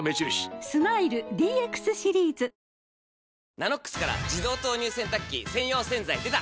「ＮＡＮＯＸ」から自動投入洗濯機専用洗剤でた！